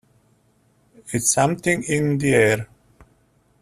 It's something in the air.